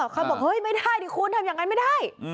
เขาบอกเฮ้ยไม่ได้ดิคุณทำอย่างนั้นไม่ได้